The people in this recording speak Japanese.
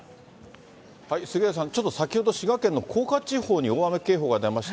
杉上さん、先ほどちょっと滋賀県の甲賀地方に大雨警報が出ました。